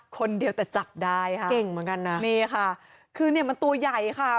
คนเดียวแต่จับได้ค่ะเก่งเหมือนกันนะนี่ค่ะคือเนี่ยมันตัวใหญ่ค่ะ